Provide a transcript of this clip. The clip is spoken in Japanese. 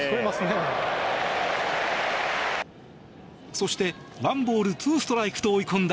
そして１ボール２ストライクと追い込んだ